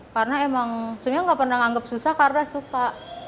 karena emang sebenarnya gak pernah nganggep susah karena suka